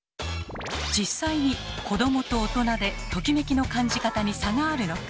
実際に子どもと大人でトキメキの感じ方に差があるのか。